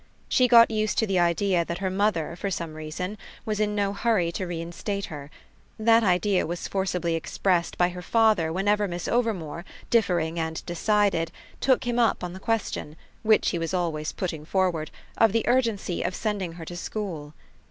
She got used to the idea that her mother, for some reason, was in no hurry to reinstate her: that idea was forcibly expressed by her father whenever Miss Overmore, differing and decided, took him up on the question, which he was always putting forward, of the urgency of sending her to school.